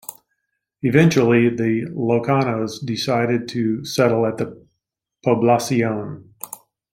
Eventually, the Ilocanos decided to settle at the Poblacion.